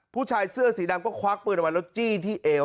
ผู้ชายเสื้อสีดำก็ควักปืนออกมาแล้วจี้ที่เอว